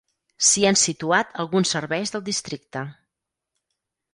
S'hi han situat alguns serveis del districte.